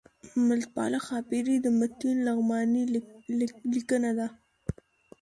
ملتپاله ښاپیرۍ د متین لغمانی لیکنه ده